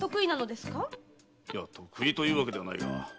いや得意というわけではないが。